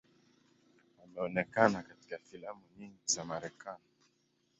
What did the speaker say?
Ameonekana katika filamu nyingi za Marekani.